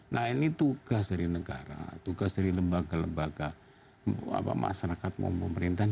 nah ini tugas dari negara tugas dari lembaga lembaga masyarakat maupun pemerintahan